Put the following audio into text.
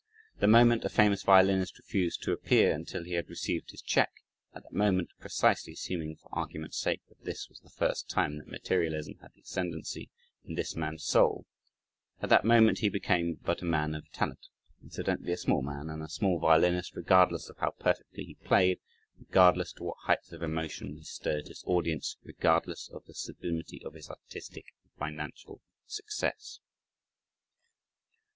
The moment a famous violinist refused "to appear" until he had received his check, at that moment, precisely (assuming for argument's sake, that this was the first time that materialism had the ascendancy in this man's soul) at that moment he became but a man of "talent" incidentally, a small man and a small violinist, regardless of how perfectly he played, regardless to what heights of emotion he stirred his audience, regardless of the sublimity of his artistic and financial success.